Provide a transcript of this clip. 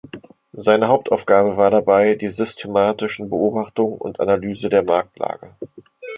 Seine Hauptaufgabe war dabei die systematischen Beobachtung und Analyse der Marktlage.